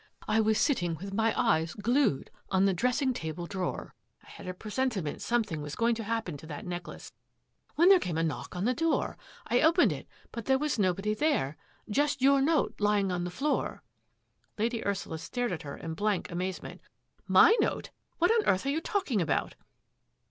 I was sitting with my eyes glued on the dressing table drawer — I had a presentiment something was going to happen to that necklace — when there came a knock on the door. I opened it, but there was nobody there —^ just your note lying on the floor." Lady Ursula stared at her in blank amazement. " My note ! What on earth are you talking about?"